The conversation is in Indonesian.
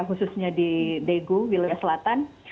khususnya di daegu wilayah selatan